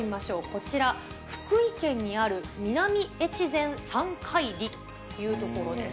こちら、福井県にある、南えちぜん山海里という所です。